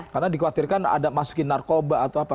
karena dikhawatirkan ada masukin narkoba atau apa